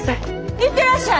行ってらっしゃい！